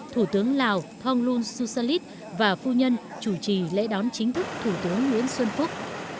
thủ tướng lào thông luân xu sơn lít và phu nhân chủ trì lễ đón chính thức thủ tướng nguyễn xuân phúc